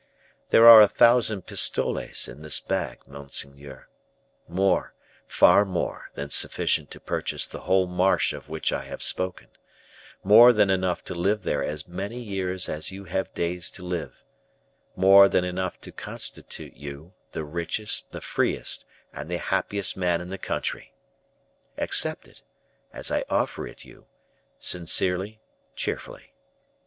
There are a thousand pistoles in this bag, monseigneur more, far more, than sufficient to purchase the whole marsh of which I have spoken; more than enough to live there as many years as you have days to live; more than enough to constitute you the richest, the freest, and the happiest man in the country. Accept it, as I offer it you sincerely, cheerfully.